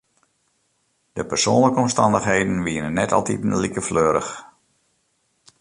De persoanlike omstannichheden wiene net altiten like fleurich.